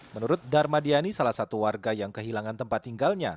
menurut darmadiani salah satu warga yang kehilangan tempat tinggalnya